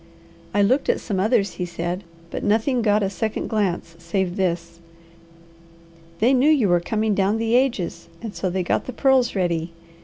"I looked at some others," he said, "but nothing got a second glance save this. They knew you were coming down the ages, and so they got the pearls ready.